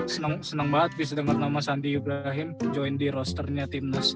seneng seneng banget bisa denger nama shandy ibrahim join di rosternya timnas